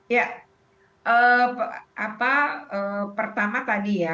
ya pertama tadi ya